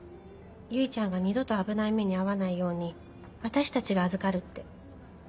唯ちゃんが二度と危ない目に遭わないように私たちが預かるって。